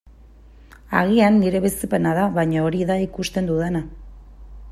Agian nire bizipena da, baina hori da ikusten dudana.